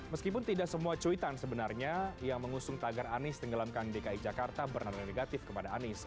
meskipun tidak semua cuitan sebenarnya yang mengusung tagar anies tenggelamkan dki jakarta bernada negatif kepada anies